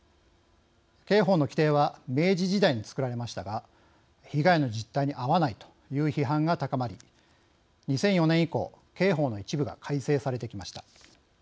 刑法の規定は明治時代に作られましたが被害の実態に合わないという批判が高まり２００４年以降刑法の一部が改正されてきました。